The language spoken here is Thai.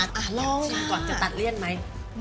อ่าลองค่ะจิมก่อนจะตัดเลี่ยนมั้ย